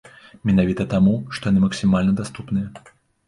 Менавіта таму, што яны максімальна даступныя.